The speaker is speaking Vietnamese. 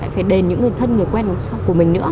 phải đền những người thân người quen của mình nữa